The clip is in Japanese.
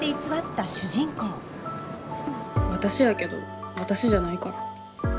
私やけど私じゃないから。